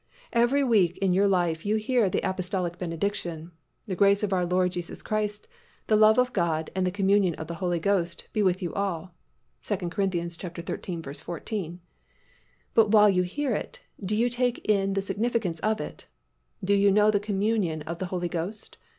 Every week in your life you hear the apostolic benediction, "The grace of the Lord Jesus Christ and the love of God and the communion of the Holy Ghost be with you all" (2 Cor. xiii. 14), but while you hear it, do you take in the significance of it? Do you know the communion of the Holy Ghost?